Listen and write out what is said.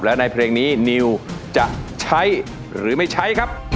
และในเพลงนี้นิวจะใช้หรือไม่ใช้ครับ